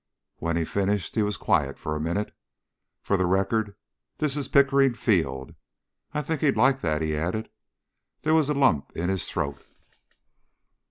When he finished, he was quiet for a minute. "For the record, this is Pickering Field. I think he'd like that," he added. There was a lump in his throat.